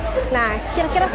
oh ya terima kasih